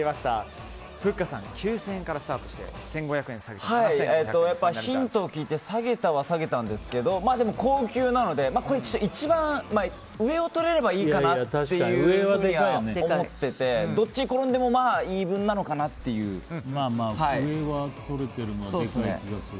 ふっかさん９０００円からスタートして１５００円下げてヒントを聞いて下げたは下げたんですけど高級なので一番上をとれればいいかなっていうふうには思っててどっちに転んでも上は取れてるのはでかい気がする。